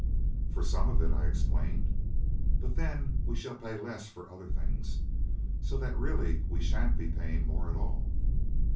"For some of it," I explained. "But, then, we shall pay less for other things, so that really we shan't be paying more at all."